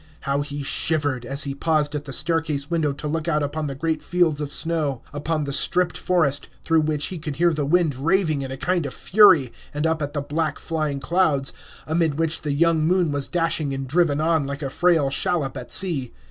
How he shivered, as he paused at the staircase window to look out upon the great fields of snow, upon the stripped forest, through which he could hear the wind raving in a kind of fury, and up at the black flying clouds, amid which the young moon was dashing and driven on like a frail shallop at sea.